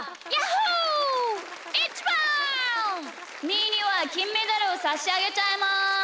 みーにはきんメダルをさしあげちゃいます！